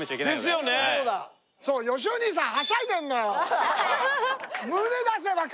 そうよしお兄さん